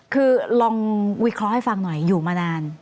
คือลองวิเคราะห์ให้ฟังหน่อยอยู่มานาน